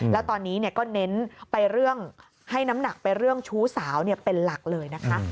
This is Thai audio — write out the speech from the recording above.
แล้วตอนนี้ก็เน้นไปเรื่องให้น้ำหนักไปเรื่องชู้สาวเป็นหลักเลยนะคะ